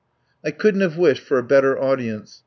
I couldn't have wished for a better audi ence.